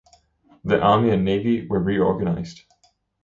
The army and navy were reorganized.